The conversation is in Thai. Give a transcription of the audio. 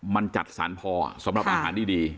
มันจัดสรรพอสำหรับอาหารดี